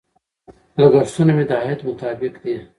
لګښتونه مې د عاید مطابق دي.